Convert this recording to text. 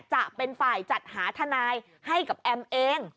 จะเป็นฝ่ายจัดหาทนายให้กับแอมเอง